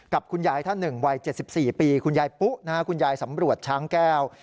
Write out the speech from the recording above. กับคุณยายท่านหนึ่งวัย๗๔ปีคุณยายปุ๊คุณยายสำรวจช้างแก้ว